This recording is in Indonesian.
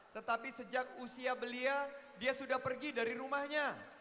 tetapi sejak usia belia dia sudah pergi dari rumahnya